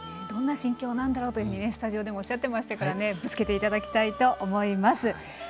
どんな心境なんだろうとスタジオでもおっしゃってましたからぶつけていただきたいと思います。